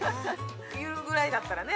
◆言うぐらいだからね。